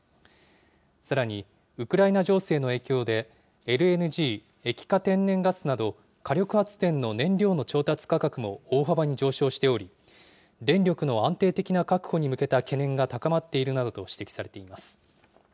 さらに、ウクライナ情勢の影響で、ＬＮＧ・液化天然ガスなど、火力発電の燃料の調達価格も大幅に上昇しており、電力の安定的な確保に向けた懸念が高まっているなどと指摘されています。